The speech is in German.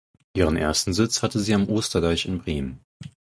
Ihren ersten Sitz hatte sie am Osterdeich in Bremen.